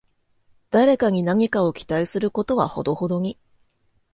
誰かに何かを期待することはほどほどに